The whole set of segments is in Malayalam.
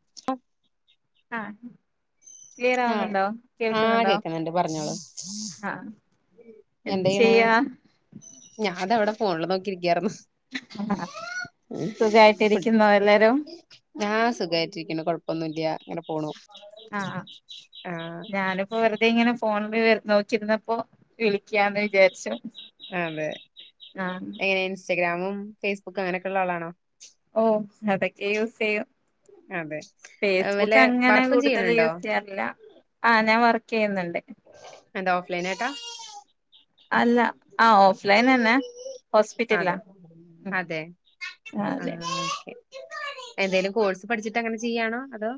[unintelligible] ആഹ് ക്ലിയർ ആഹ് ആവുന്നുണ്ടോ ആഹ് കേൾക്കുന്നുണ്ടോ കേക്കുന്നുണ്ട് പറഞ്ഞോളൂ ആഹ് എന്ത് ചെയ്യാ ഞാതാ ഇവിടെ ഫോണില് നോക്കിയിരിക്കാറുന്നു സുഖായിട്ടിരിക്കുന്നു എല്ലാരും ആഹ് സുഖായിട്ടിരിക്കുന്നു കൊഴപ്പൊന്നുല്ല അങ്ങനെ പോണു ആഹ് ആഹ് ആഹ് ഞാന്പ്പൊ വെർതെ ഇങ്ങനെ ഫോൺല് നോക്കിയിര്ന്നപ്പോ വിളിക്കാന്ന് വിചാര്ച്ചു അതെ എങ്ങനെ ഇൻസ്റ്റാഗ്രാമും ഫേസ്ബുക്കും അങ്ങനെയൊക്കെ ഉള്ള ആളാണോ ഓഹ് അതൊക്കെ യൂസെയ്യും അതെ വല്ല ഫേസ്ബുക്ക് അങ്ങനെ വർക്കും കൂടുതല് ചെയ്യണുണ്ടോ യൂസെയ്യാറില്ല ആഹ് ഞാൻ വർക്കെയ്യ്ന്ന്ണ്ട് എന്താ ഓഫ് ലൈൻ ആയിട്ട അല്ല ആ ഓഫ്ലൈനന്നെ ഹോസ്പിറ്റൽലാ ഉം ആ അതെ എന്തേലും കോഴ്സ് പഠിച്ചിട്ട് അങ്ങനെ ചെയ്യാണോ അതോ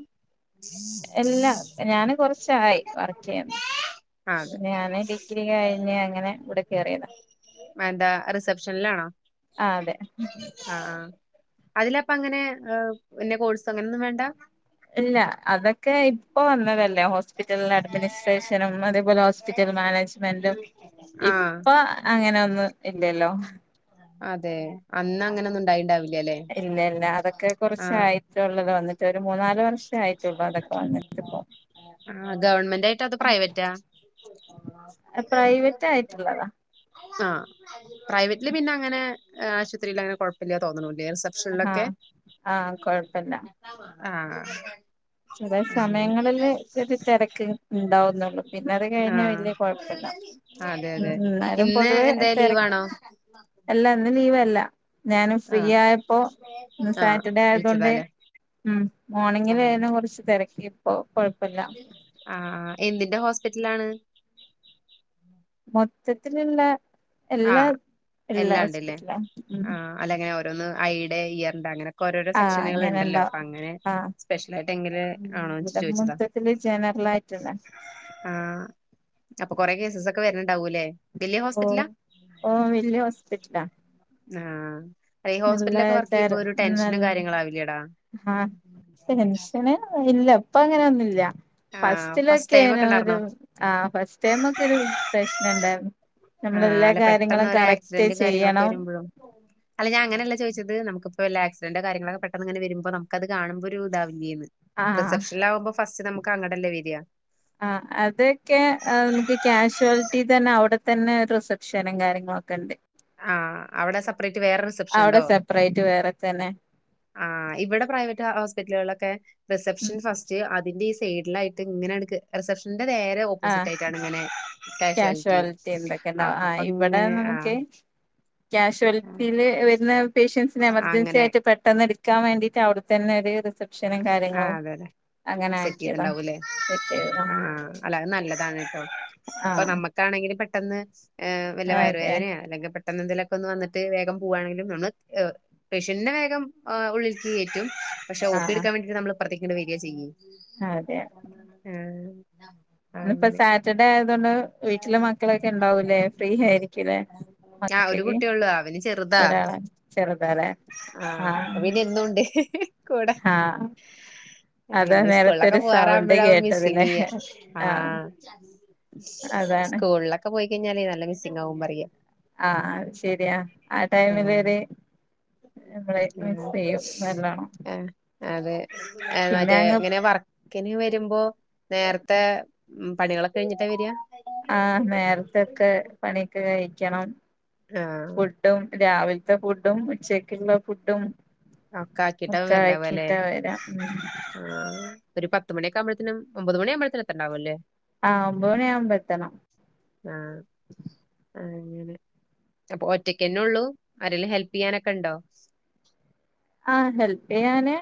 എല്ലാം ഞാന് കൊർച്ചായി വർക്കെയ്യ ആഹ് അതെ ഞാന് ഡി ഗ്രി കഴിഞ്ഞ അങ്ങനെ ഇവടെ കേറിയതാ എന്താ റിസപ്ഷനിലാണോ ആഹ് അതെ ആഹ് ആഹ് അതിലപ്പ അങ്ങനെ പിന്നെ കോഴ്സ് അങ്ങനെന്നും വേണ്ട ഇല്ല അതൊക്കെ ഇപ്പൊ വന്നതല്ലേ ഹോ സ്പിറ്റൽ അഡ്മിനിസ്ട്രേഷനും അതേപോലെ ഹോസ്പിറ്റൽ മാനേജ്മെന്റും ആഹ് ഇപ്പ അങ്ങനൊന്നും ഇല്ലല്ലോ അതെ അന്ന് അങ്ങനൊന്നും ഉണ്ടായിണ്ടാവില്ലല്ലേ ഇല്ലല്ല അതൊക്കെ ആഹ് കൊറച്ചായിട്ടുള്ളല്ലോ വന്നി ട്ട് ഒരു മൂന്നാല് വർഷ ആയിട്ടുള്ളൂ അതൊക്കെ വന്നിട്ട്പ്പം ആഹ് ഗവൺമെന്റ് ആയിട്ട അത് പ്രൈവറ്റാ പ്രൈവറ്റ് ആയിട്ട്ള്ളതാ ആഹ് പ്രൈവറ്റില് പിന്നെ അങ്ങനെ ആശുപത്രിയില് അങ്ങനെ കൊഴപ്പില്ല തോന്ന്ന്നുലേ റിസ ആഹ് പ്ഷൻലൊക്കെ ആഹ് കൊഴപ്പല്ല ആഹ് ചില സമയങ്ങളില് ഇത്തിരി തിരക്ക് ഉണ്ടാവുന്നുള്ളു പിന്നെ അത് കഴിഞ്ഞ വലിയ കുഴപ്പല്ല ആഹ് അതെ ഉം അതെ എന്നാലും ഇന്ന് പൊതുവെ എന്തേ തിരക്ക് ലീവാണോ അല്ല ഇന്ന് ലീവ് അല് ഞാന് ഫ്രീ ആഹ് ആയപ്പോ ഇന്ന് ആഹ് സാറ്റർഡേ ആയതോണ്ട് വിളിച്ചതാല്ലേ ഉം മോർണിങ്ങിലേനു കൊറച്ച് തെരക്കിപ്പൊ കൊഴപ്പല്ല ആഹ് എന്തിന്റെ ഹോസ്പിറ്റലാണ് മൊത്തത്തില്ള്ള എല്ലാ ആഹ് ഇള്ള ഹോസ്പിറ്റലാണ് ഉം അല്ലങ്ങനെ ഓരോന്ന് [unintelligible] അങ്ങനൊക്കെ ഓരോരോ ആഹ് അങ്ങനെ സെക്ഷനുകള്ണ്ടല്ലോ അപ്പൊ ഇണ്ടാവും അങ്ങനെ ആഹ് സ്പെഷ്യൽ ആയിട്ട് എങ്ങനെ ഉം ആണോച്ച് ഇവിടെ ചോയ്ച്ചതാ മൊത്തത്തില് ജനറൽ ആയിട്ടുള്ള ആഹ് അപ്പൊ കൊറെ കേസസൊക്കെ വരണുണ്ടാവൂല്ലേ ഓഹ് ഓഹ് വല്യ ഹോസ്പിറ്റലാ ആഹ് ഈ നല്ല ഹോസ്പിറ്റലൊക്കെ വർക്ക് തെര ചെയ്യുമ്പോ ഒരു ടെൻഷനും നല്ല കാര്യങ്ങളും ആവില്ലേടാ ആഹ് ടെൻഷന് ഇല്ല ഇപ്പൊ അങ്ങനെ ഒന്നൂല്ല ആഹ് ഫസ്റ്റ് ടൈം ഒക്കെ ഫസ്റ്റിലൊക്കെനൊരു ഉണ്ടായിരുന്നോ ആ ഫസ്റ്റ് ടൈമൊക്കെ ഒരു പ്രശ്നണ്ടായിരുന്നു ആഹ് നമ്മളെല്ലാ അല്ല പെട്ടെന്ന് കാര്യങ്ങളും ഒരു കറക്റ്റ് ആക്സിഡന്റും കാര്യങ്ങളൊക്കെ ചെയ്യണം വരുമ്പോഴോ അല്ല ഞാൻ അങ്ങനെയല്ല ചോദിച്ചത് നമുക്കിപ്പോ വല്ല ആക്സിഡൻ്റോ കാര്യങ്ങളോക്കെ പെട്ടെന്ന്ങ്ങനെ വരുമ്പോ നമുക്കത് കാണുമ്പൊ ഒരു ഇതാവില്ലേന്ന് ആഹ് റിസപ്ഷനിലാവുമ്പോ ഫസ്റ്റ് നമുക്ക് അങ്ങടെല്ലേ വര്യ ആഹ് അതൊക്കെ നമുക്ക് ക്യാഷ്വാലിറ്റി തന്നെ അവിടെത്തന്നെ റിസപ്ഷനും കാര്യങ്ങളൊക്കെ ഉണ്ട് ആഹ് അവിടെ സെപ്പറേറ്റ് വേറെ റിസപ്ഷൻ അവിടെ ഉണ്ടോ സെപ്പറേറ്റ് വേറെ തന്നെ ആഹ് ഇവിടെ പ്രൈവറ്റ് ഹോസ്പിറ്റലുകളിലൊക്കെ ഉം റിസപ്ഷൻ ഫസ്റ്റ് അതിന്റെ ഈ സൈഡിലായി ട്ട് ഇങ്ങനടുക്ക് റിസപ്ഷന്റെ നേരെ ആഹ് ഓപ്പോസിറ്റായിട്ടാണ് ഇങ്ങനെ കാഷ്വാലിറ്റി എന്തൊക്കെ ഉണ്ടാവും ആഹ് അപ്പൊ ഇങ്ങനെ ആഹ് കാഷ്വാൽറ്റീല് വരുന്ന പേഷ്യൻസിന് എമർജൻസി അങ്ങനെ ആയിട്ട് പെട്ടെന്ന് എടു- ക്കാൻ വേണ്ടീട്ട് അവിടെ തന്നെ ഒരു റിസപ് റിസെപ്ഷനും ആ കാര്യങ്ങളും അതെ അതെ സെറ്റ് അങ്ങനാക്കിയതാ ചെയ്തിണ്ടാവൂല്ലേ സെറ്റ് ചെയ്തതാ ആഹ് അല്ല അത് നല്ലതാണ് ട്ടോ ഇപ്പൊ ആഹ് നമ്മുക്കാണെങ്കിലും പെട്ടെന്ന് ഏഹ് വല്ല അതെ വയറുവേദനയോ അല്ലെങ്കി പെട്ടന്ന് എന്തെലുമൊക്കെയൊന്ന് വന്നട്ട് വേഗം പോവാണെങ്കില് നമ്മള് പേഷ്യൻ്റിനെ വേഗം ആ ഉള്ളിൽക്ക് കയറ്റും പക്ഷെ ഓ പി എടുക്കാൻ വേണ്ടിട്ട് നമ്മള് ഇപ്പറത്തേക്ക് ഇങ്ങട് വരികാ ചെയ്യാ ആഹ് അതേയോ ഉം ഇന്നിപ്പ സാറ്റർഡേ ആയതോണ്ട് വീട്ടില് മക്കളൊക്കെ ഇണ്ടാവൂലേ ഫ്രീ ആയിരിക്കൂല്ലേ ആഹ് ഒരു കുട്ടിയേള്ളൂ അവന് ചെറുതാ ഒരാളെ ചെറുതാലേ ആഹ് അതുപിന്നെ എന്നൂണ്ട് കൂടെ ആഹ് അതാ അങ്ങനങ്ങീ നേരത്തെ സ്കൂളിലൊക്കെ ഒരു സൗണ്ട് പോവാറാവുമ്പഴാവും കേട്ടതില്ലേ മിസ്സിങ്ങെയ്യ ആഹ് അതാണ് സ്കൂളിലൊക്കെ പോയിക്കഴിഞ്ഞാല് നല്ല മിസ്സിംഗാകും പറയാ ആഹ് ആഹ് ശെരിയാ ആ ടൈമില് ആഹ് ഒര് നമ്മളെ മിസ് ചെയ്യും നല്ലോണം ആഹ് അതെ പിന്നെ മറ്റേ അങ്ങ് ഇങ്ങനെ വർ- ക്കിന് വരുമ്പോ നേരത്തെ ഉം പണികളൊക്കെ കഴിഞ്ഞിട്ടാ വര്യാ ആഹ് നേരത്തെയൊക്കെ പണിയൊക്കെ കഴിക്കണം ആഹ് ഡും രാവിലത്തെ ഫുഡും ഉച്ചക്കുള്ള ഫുഡും ഒക്കെ ആക്കിട്ടാ ഒക്കെ വരണ്ടാവല്ലേ ആക്കിയിട്ടാ വരാ ആഹ് ഒരു പത്ത് മണിയൊക്കെയാകുമ്പഴത്തേനും ഒമ്പത് മണിയാവുമ്പഴത്തേനും എത്തണ്ടാവുല്ലേ ആഹ് ഒമ്പത് മണിയാവുമ്പോ എത്തണം ആഹ് അത് ശരി അപ്പൊ ഒറ്റക്കന്നെ ഉള്ളൂ ആരേലും ഹെല്പ് ചെയ്യാനൊക്കെ ഉണ്ടോ ആഹ് ഹെല്പ് ചെയ്യാന്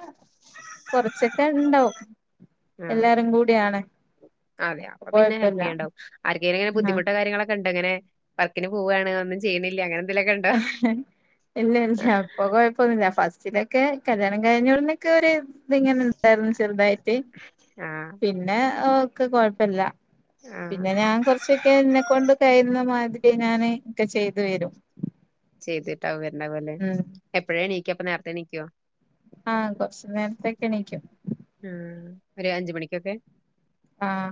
കൊറച്ചൊക്കെ ഉണ്ടാവും എല്ലാരും കൂടിയാണ് അതെയോ അപ്പൊ അപ്പ പിന്നെ ഹെൽപ് കൊഴപ്പല്ല ചെയ്യണ്ടാവും ആർക്കെലും ഇങ്ങനെ ബുദ്ധിമുട്ട ട്ട് കാര്യങ്ങളൊക്കെ ഉണ്ടോ ങ്ങനെ വർക്കിന് പോവാണ് ഒന്നും ചെയ്യണില്ല അങ്ങനെ എന്തെലൊക്കെ ഉണ്ടോ ഇല്ല ഇല്ല ഇപ്പൊ കൊഴപ്പൊന്നുമില്ല ഫസ്റ്റിലെ ക്കെ കല്യാണം കഴിഞ്ഞോടനൊക്കെ ഒരു ഇത്ങ്ങനെണ്ടായിരുന്നു ചെറുതായിട്ട് പിന് ആഹ് പിന്നെ ഓക്കെ കൊഴപ്പല്ല പിന്നെ ആഹ് ഞാൻ കുറച്ചൊക്കെ എന്നെക്കൊണ്ട് കഴിയുന്ന മാതിരി ഞാന് ഒക്കെ ചെയ്തു വരും ചെയ്തിട്ടാവും വരണ പോലെ ഉം എപ്പഴാ എണിക്ക ഇപ്പ നേരത്തെ എണിക്കുവോ ആഹ് കൊറച്ച് നേരത്തേ ഒക്കെ എണീക്കും ഉം ഒരു അഞ്ച് മണിക്കൊക്കെ ആഹ്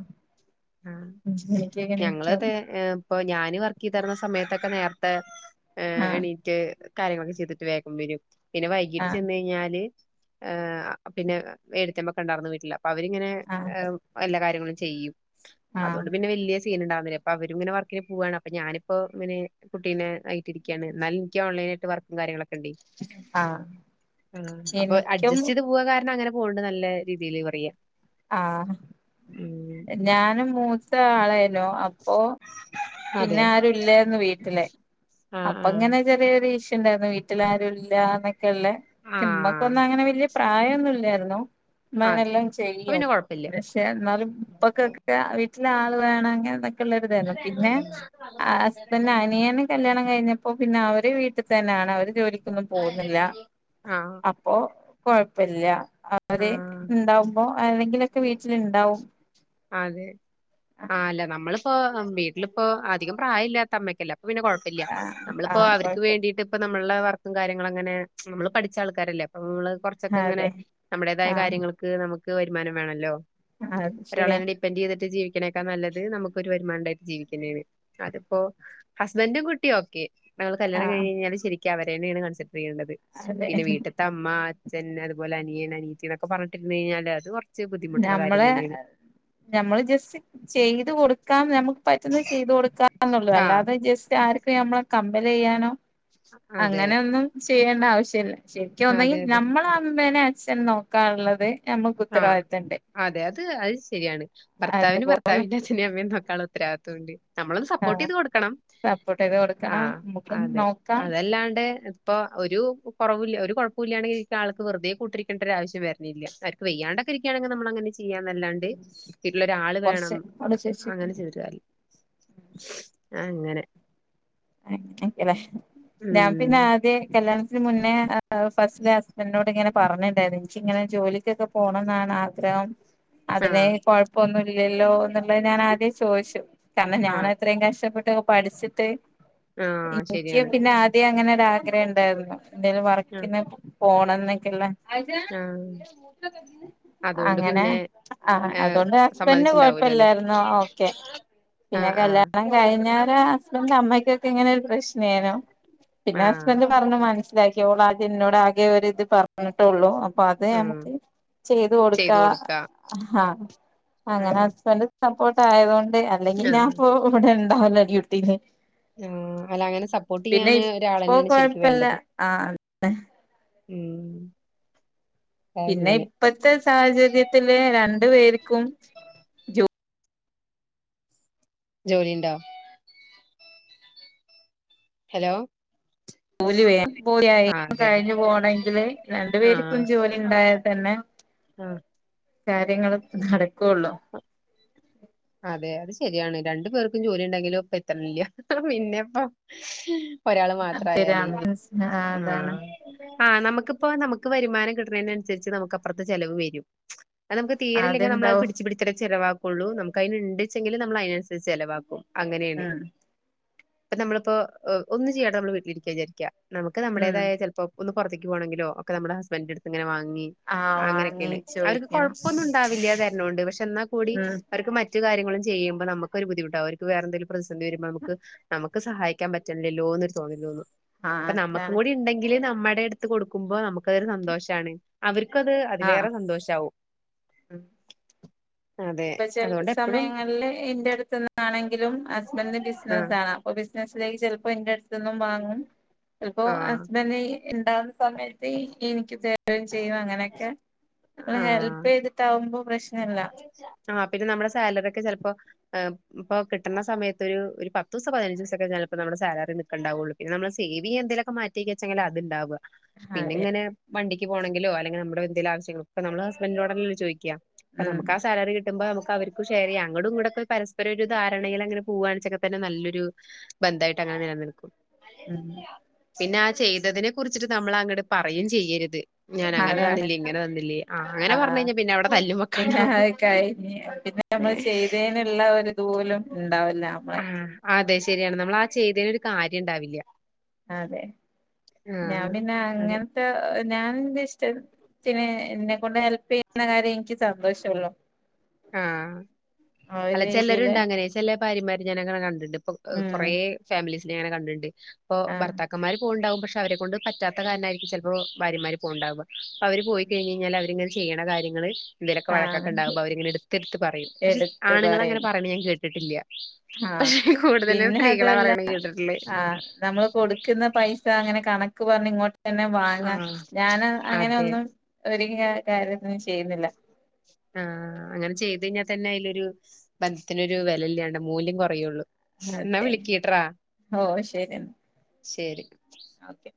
ആഹ് അഞ്ച് മണിക്കൊക്കെ ഞങ്ങള് എണീക്കും അതെ ഏഹ് അപ്പൊ ഞാന് വർക്ക് ചെയ്താരുന്ന സമയത്തൊക്കെ നേരത്തെ ഏഹ് ആഹ് എണീ റ്റ് കാര്യങ്ങളൊക്കെ ചെയ്തിട്ട് വേഗം വരും പിന്നെ വൈകീട്ട് ആഹ് ചെന്ന് കഴിഞ്ഞാല് ഏഹ് പിന്നെ ഏട്ടത്തിയമ്മ ഒക്കെ ഉണ്ടായിരുന്ന് വീട്ടില് അപ്പൊ അവര് ഇങ്ങനെ ആഹ് എഹ് എല്ലാ കാര്യങ്ങളും ചെയ്യും ആഹ് അതുകൊണ്ട് പിന്നെ വലിയ സീൻ ഉണ്ടാവുന്നില്ല ഇപ്പൊ അവരും ഇങ്ങനെ വർക്കിന് പോവയാണ് അപ്പൊ ഞാനിപ്പോ ഇങ്ങനെ കുട്ടീനെ ആയിട്ടിരിക്ക്യാണ് എന്നാലും എനിക്ക് ഓൺലൈനായിട്ട് വർക്കും കാര്യങ്ങളൊക്കെ [unintelligible] ആഹ് ഏഹ് അപ്പോൾ എനിക്കും അഡ്ജസ്റ്റ് ചെയ്ത് പോകാൻ കാരണം അങ്ങനെ പോവുണ്ട് നല്ല രീതിയിയില് പറയാം ആഹ് ഞാനും മൂത്ത ആളായിരുന്നു അപ്പൊ അതെ പിന്നെ ആരു ഇല്ലായിരുന്ന് വീട്ടില് ആഹ് അപ്പ ആഹ് ഇങ്ങനെ ചെറിയ ഒരു ഇഷ്യൂ ഇണ്ടായിരുന്നു വീട്ടില് ആരും ഇല്ലാ എന്നൊക്കെ ഉള്ളെ ഇമ്മ ഇപ്പ ആഹ് ഒന്നും അങ്ങനെ വലിയ പ്രായം ഒന്നു ഇല്ലായിരുന്നു ഉമ്മ അങ്ങനെ അതെ എല്ലാം അപ്പൊ ചെയ്യും പിന്നെ കുഴപ്പമില്ല. [unintelligible] പക്ഷെ എന്നാലും ഇപ്പൊ ഒക്കെ വീട്ടിലെ ആള് വേണം അങ്ങനെ എന്നൊക്കെ ഉള്ള ഒരു ഇതായിരുന്നു പിന്നെ ആഹ് ഹസ്ബൻഡിന്റെ അനിയനെ കല്യാണം കഴിഞ്ഞപ്പോ പിന്നെ അവര് വീട്ടിൽ തന്നെയാണ് അവര് ജോലിക്കൊന്നും പോകുന്നില്ല ആഹ് അപ്പോ കൊഴപ്പ ഇല്ല അ ആ അവര് ഉണ്ടാവുമ്പോ ആരെങ്കിലൊക്കെ വീട്ടില് ഉണ്ടാവും അതെ ആഹ് അല്ല നമ്മള് ഇപ്പൊ വീട്ടിലിപ്പോ അധികം പ്രായം ഇല്ലാത്ത അമ്മ ഒക്കെ ഇല്ലേ അപ്പം പിന്നെ കൊഴ പ്പം ഇല്ല ആഹ് നമ്മളിപ്പോ ആഹ് അവർക്ക് കൊഴപ്പ വേണ്ടിട്ട് ഇപ്പ നമ്മളുടെ വർ ക്കും കാര്യങ്ങളും അങ്ങനെ നമ്മള് പഠിച്ച ആൾക്കാരല്ലേ അപ്പൊ നമ്മള് കുറച്ചൊക്കെ ഇങ്ങനെ അതെ അവരുടേതായ ആഹ് കാര്യങ്ങൾക്ക് നമുക്ക് വരുമാനം വേണല്ലോ അത് ഒരാളെ ശരിയാ തന്നെ ഡി പ്പെൻഡ് ചെയ്തിട്ട് ജീവിക്കണേക്കാൾ നല്ലത് നമുക്ക് ഒരു വരുമാനം ഇണ്ടായിട്ട് ജീവിക്ക തന്നേണ് അതിപ്പോ ഹസ്ബന്റും കുട്ടിയും ഓക്കെ ഞങ്ങള് കല്യാണം ആഹ് കഴിഞ്ഞ് കഴിഞ്ഞാല് ശരിക്ക് അവരെ തന്നെയാണ് കൺസെപ്റ്റ് ചെയ്യേണ്ടത് അതെ പിന്നെ വീട്ടി ടെ അമ്മ അച്ഛൻ അതുപോലെ അനിയൻ അനീയത്തി എന്നൊക്കെ പറഞ്ഞിട്ട് ഇരുന്ന് കഴിഞ്ഞാല് അത് ബുദ്ധിമുട്ടുള്ള കാര്യം നമ്മളെ തന്നെയാണ് ഞമ്മള് ജസ്റ്റ് ചെയ്തു കൊടുക്കാം നമ്മുക്ക് പറ്റുന്നത് ചെയ്ത് കൊടുക്കാം എന്നെ ഉള്ളു ആഹ് അല്ലാതെ ജസ്റ്റ് ആർക്കും നമ്മളെ കമ്പല് ചെയ്യാനോ അതെ അങ്ങനെ ഒന്നും ചെയ്യേണ്ട ആവശ്യല്ല ശരിക്കും അതെ ഒന്നെങ്കിൽ അതെ നമ്മളെ അമ്മേനെ അച്ഛനെയും നോക്കാനുള്ളത് നമ്മൾക്ക് ആഹ് ഉത്തരവാദി അതെ അത് അത് ശരിയാണ് ഭർത്താവിന് അതുപോലെ ഭർത്താവിന്റെ അച്ഛനും അമ്മയും നോക്കാനുള്ള ഉത്തരവാദിത്തം ഉണ്ട് നമ്മള് ഒന്ന് സപ്പോർട്ട് ആഹ് ചെയ്ത് കൊടുക്കണം സപ്പോർട്ട് ചെയ്ത് കൊടുക്കണം ആഹ് നമുക്ക് അതെ നോക്കാം അതല്ലാണ്ട് ഇപ്പൊ ഒരു കുറവും ഇല്ല ഒരു കുഴപ്പും ഇല്ലാണ്ടെ ഇങ്ങനെ ഇരിക്കണ ആൾക്ക് വെറുതെ കൂട്ടിരിക്കേണ്ട ഒരു ആവശ്യം വരുന്നില്ല വെയ്യാണ്ടെ ഒക്കെ ഇരിക്കാണെങ്കി നമ്മള് അങ്ങനെ ചെയ്യാന്നെ അല്ലാണ്ട് വീട്ടിലൊരാള് വേണം കൊറച്ച് അവിടെ ചേച്ചി അങ്ങനെ ചെയ്തിട്ട് കാര്യല്ല അങ്ങനെ [unintelligible] പിന്നെ ഉം ആദ്യേ കല്യാണത്തിന് മുന്നേ ഫസ്റ്റ്ലെ ഹസ്ബൻഡിനോട് ഇങ്ങനെ പറഞ്ഞിണ്ടായിരുന്നു എനിക്ക് ഇങ്ങനെ ജോലിക്ക് ഒക്കെ പോണം എന്നാണ് ആഗ്രഹം അതിനെ ആഹ് കൊഴപ്പൊന്നും ഇല്ലല്ലോ എന്നുള്ളത് ഞാൻ ആദ്യം ചോദിച്ചു കാരണം ഞാൻ ആഹ് അത്രയും കഷ്ടപ്പെട്ട് പഠിച്ചിട്ട് ആഹ് എനിക്ക് ശരിയാണ് പിന്നെ....... ഇ അങ്ങനെ ഒരാഗ്രഹം ഇണ്ടായിരുന്നു എന്തെലും ആഹ് വർക്കിന്ന് പോണം എന്നൊക്കെള്ളെ...... [inaudible] ആഹ് അതുകൊണ്ട് അങ്ങനെ പിന്നെ ആ ഏഹ് അതോണ്ട് ഹസ്ബന്ഡന് സമ്മതിച്ചിണ്ടാവൂലോ ല്ലേ കൊഴപ്പല്ലായിരുന്നോ ഓക്കെ..... പിന്നെ ആഹ് ആഹ് കല്യാണം...... കഴിഞ്ഞേരം ഹസ്ബൻ് അമ്മയ്ക്കൊക്കെ ഇങ്ങനെ ഒരു പ്രശ്നെനു പിന്നെ ആഹ് ഹസ്ബൻഡ് പറഞ്ഞു മന. ഇതാക്കിയോളാ എന്നോട് ആകെ ഒരു ഇത് പറഞ്ഞു. എന്നിട്ടള്ളൂ അപ്പൊ അത് ഉം നമുക്ക് ചെയ്ത് കൊടുക്കാ ആഹ്. അങ്ങനെ അതെ ഹസ്ബൻഡ് സപ്പോർട്ട് ആയതോണ്ട് അല്ലെങ്കിൽ ആഹ് ഞാപ്പോ ഇവിടെ ഇണ്ടാവോല്ലോ ഡ്യൂട്ടിന്. ആ അല്ല അങ്ങനെ സപ്പോർട്ട് ചെയ്യാന് ഇപ്പൊ ഒരാലെന്നെണ് ശരിക്കും കൊഴപ്പല്ല വേണ്ടത്. ആഹ് ഉം. പിന്നെ അങ്ങനെ ഇപ്പത്തെ സാഹചര്യത്തില് രണ്ട് പേര്ക്കും. ജോലി ഇണ്ടോ.. ഹലോ..... ജൂലി വേലിയി ആ അതെ അതെ കഴിഞ്ഞു പോണമെങ്കില് രണ്ടു പേർക്കും ജോലി ഇണ്ടായാൽ തന്നെ. ആഹ്.. കാര്യങ്ങള് നടക്കൊള്ളൂ. അതെ അത് ശരിയാണ് രണ്ടു പേർക്കും ജോലി ഇണ്ടെങ്കിലും ഇപ്പ എത്തണില്ല പിന്നെപ്പോ. ഒരാള് മാത്രായാലേ ശരിയാണ് ആ. അതാണ് ആഹ നമുക്കിപ്പ നമുക്ക് വരുമാനം കിട്ടണതിന അനുസരിച്ച് നമുക്ക് അപ്പുറത്തെ ചെലവ് വരും.... അത് നമക്ക് തീരല്ലെങ്കിൽ നമ്മളത് അത്ണ്ടാവും പിടിച്ച് പിടിച്ചല്ലെ ചെലവാക്കൊള്ളു നമുക്ക് അയിന് ഇണ്ട്ച്ചങ്കിൽ നമ്മൾ അയിനനുസരി ചെലവാക്കും..... അങ്ങനെണ് ഉം ഇപ്പൊ നമ്മളിപ്പോ ഒന്നും ചെയ്യാണ്ട നമ്മള് വീട്ടിലിരിക്ക വിചാരിക്ക നമുക്ക് ഉം നമ്മടേതായ ചൽപ്പോ ഒന്ന് പൊറത്തേക്ക് പോകണെങ്കിലോ ഒക്കെ നമ്മ ഹസ്ബൻഡറടുത്ത്ന്ന് വാങ്ങി.... ആഹ് വാങ്ങി അങ്ങനെയൊക്കെണ് അവര്ക്ക് ചോയിക്കണം കൊഴപ്പൊന്നും ഇണ്ടാവില്ല തരന്നോണ്ട് പക്ഷെ എന്നാ കൂടി. ഉം അവർക്ക് മറ്റു കാര്യങ്ങള് ചെയ്യുമ്പോ നമ്മക്ക് ഒരു ബുദ്ധിമുട്ടാ അവര്ക്ക് വേറെന്തെങ്കിലും പ്രതിസന്തിവരുമ്പോ നമക്ക് നമുക്ക് സഹായിക്കാൻ പറ്റ്ണ്ല്ലല്ലോന്ന് തോന്നലോള്ളൂ ആഹ് അപ്പൊ നമ്മക്കും അതാണ് കൂടി ഉണ്ടെങ്കില് നമ്മുടെ അടു. ത്ത് കൊടുക്കുമ്പോ നമുക്കതൊരു സന്തോഷാണ് അവര്ക്കത് ആഹ് അതിലേറെ സന്തോഷമാവും. അതെ. ചല അതുകൊണ്ട് എപ്പഴും സമയങ്ങളില് ഇന്റെട്ത്ത്ന്നാണെങ്കിലും ഹസ്ബൻഡന് ബിസിനസ് ആഹ് കാണാം.. അ ബിസിനസിലേക്ക് ചെലപ്പോ എന്റെ അടുത്ത്ന്നും വാങ്ങും ചിലപ്പോ ആഹ് ഹസ്ബൻ ഇണ്ട. സമയത്ത് ഇനിക്ക് തരും ചെയ്യും അങ്ങനെയൊക്കെ നമ്മളെ ഹെൽപ് ചെയ്തിട്ടാവുമ്പോൾ.. പ്രശ്നല്ല.... ആഹ പിന്നെ നമ്മുടെ സാലറി ഒക്കെ ചെപ്പോ..... ഇപ്പൊ കിട്ടണ സമയത്ത് ഒരു പതുസോ പതിനഞ്ച്സൊക്കെ ചെലപ്പോ നമ്മടെ സാലറി നിക്ക്ണ്ടാവൊള്ളൂ പിന്ന നമ്മള് സേവിയെ എന്തെലൊക്കെ മാറ്റിവെക്കണേങ്കിൽ അത്ണ്ടാവ.. പിന്നെ അതെ ഇങ്ങനെ വണ്ടിക്ക് പോണെങ്കിലോ അല്ലെങ്കിൽ നമ്മുടെ എന്തെലും ആവശ്യങ്ങൾകൊക്കെ ഇപ്പൊ നമ്മള് ഹസ്ബൻറിനോട്ല്ലെ ചോയ്ക്കാ... ഉം. ക്കാ സാലറി കിട്ടുമ്പോ നമുക്ക് അവർക്കും ഷെയറെയ്യാം അങ്ങടും ഇങ്ങടും ഒകെ പരസ്പരം ഒരു ധാരണയിൽ അങ്ങനെ പോവാണ്ച്ചങ്കി നല്ലൊരു. ബന്ധായിട്ട് അങ്ങനെ നിലനിൽക്കും. ഉം. പിന്നെ ആ ചെയ്തതിനെ കുറിച്ചിട്ട് നമ്മൾ അങ്ങട്ട് പറയും ചെയ്യര്ത്. ഞാൻ അതാണ് അങ്ങനെന്നില്ലെ ഇങ്ങനെന്നില്ലേ ആ അങ്ങനെ പറഞ്ഞു കഴിഞ്ഞാ പിന്നവിടെ തല്ലുമ്മകാണവും. കഴിഞ് പിന്നെ നമ്മള് ചെയ്തേന്ള്ള ഒരിത്പോലും ഇണ്ടാവില്ല നമ്മളെ. ആ അതെ ശരിയാണ് നമ്മൾ ആ ചെയ്തേന് ഒരു കാര്യം ഇണ്ടാവില്ല. അതെ ഞാൻ ആഹ് പിന്നെ അതെ അങ്ങനത്തെ ഞാൻ ഇഷ്ട. ത്തിന് എന്നെ കൊണ്ട് ഹെൽപ്പ് ചെയ്യുന്ന കാര്യം എനിക്ക് സന്തോഷള്ളു ആഹ് ആ ഒരു അല്ല രീതിയില് ചെലരുണ്ട് അങ്ങനെ ചില ഭാര്യമാര് ഞാന് അങ്ങനെ കണ്ടിണ്ട് ഇപ്പ ഉം കൊറെ ഫാമിലീസിനെ അങ്ങനെ കണ്ടിണ്ട് ഇപ്പൊ ആഹ് ഭർത്താക്കന്മാര് പോവാണ്ടാവും പക്ഷെ അവരെ കൊണ്ട് പറ്റാത്ത കാരണായിരിക്കും ചിലപ്പോ ഭാര്യമാര് പോവ്ണ്ടാവുക അപ്പൊ അവര് പോയി കഴിഞ്ഞ് കഴിഞ്ഞാല് അവരിങ്ങനെ ചെയ്യണ കാര്യങ്ങള് എന്തേലൊക്കെ വഴക്കൊക്കെ ആഹ് ഇണ്ടാമ്പോ അവരിങ്ങനെ എടുത്തെടുത്തു പറയും പക്ഷെ എടുത്ത് ആണുങ്ങളങ്ങനെ പറയും പറയണ ഞാൻ കേട്ടിട്ടില്ല. ആഹ് കൂടുതലും പിന്നെ സ്ത്രീകളാ അതുവല്ല പറയണ കേട്ട്ട്ടുള്ളേ. ആഹ് നമ്മള് കൊടുക്കുന്ന പൈസ അങ്ങനെ കണക്ക് പറഞ്ഞ് ഇങ്ങോ തന്നെ വാങ്ങാൻ ആഹ് ഞാൻ അതെ അങ്ങനെയൊന്നും ഒരു കാര്യത്തിനും ചെയ്യുന്നില്ല. ആ അങ്ങനെ ചെയ്ത് കഴിഞ്ഞാൽ തന്നെ അയിലൊരു. ബന്ധത്തിനൊരു വില ഇല്ലാണ്ട് മൂല്യം കുറയുള്ളൂ. എന്നാ അതെ വിളിക്കിട്രോ ഓ ശരി എന്നാ ശരി. ഓക്കെ